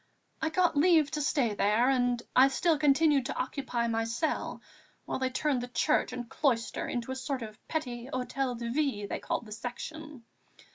I got leave to stay there, and I still continued to occupy my cell, while they turned the church and cloister into a sort of petty hôtel de ville they called the Section.